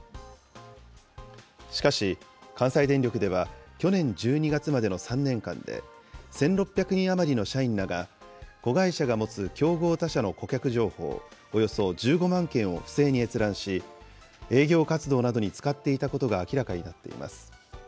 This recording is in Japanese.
しかし、関西電力では、去年１２月までの３年間で、１６００人余りの社員らが、子会社が持つ競合他社の顧客情報およそ１５万件を不正に閲覧し、営業活動などに使っていたことが明らかになっています。